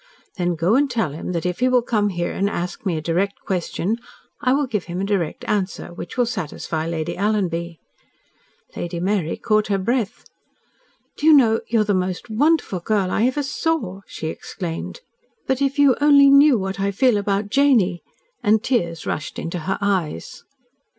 "Then go and tell him that if he will come here and ask me a direct question, I will give him a direct answer which will satisfy Lady Alanby." Lady Mary caught her breath. "Do you know, you are the most wonderful girl I ever saw!" she exclaimed. "But if you only knew what I feel about Janie!" And tears rushed into her eyes.